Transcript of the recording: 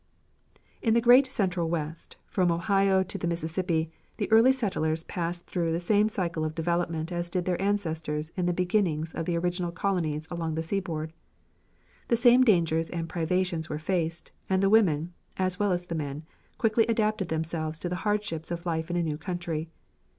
In the great Central West, from Ohio to the Mississippi, the early settlers passed through the same cycle of development as did their ancestors in the beginnings of the original colonies along the seaboard. The same dangers and privations were faced, and the women, as well as the men, quickly adapted themselves to the hardships of life in a new country.